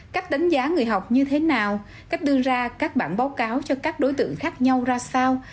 cách đánh giá người học như thế nào cách đưa ra các bản báo cáo cho các đối tượng khác nhau ra sao